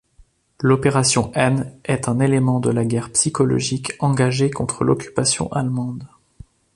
L'opération N est un élément de la guerre psychologique engagée contre l'occupation allemande.